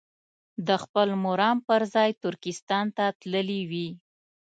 د خپل مرام پر ځای ترکستان ته تللي وي.